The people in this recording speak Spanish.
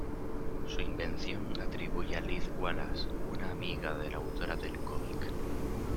Su invención se atribuye a Liz Wallace, una amiga de la autora del cómic.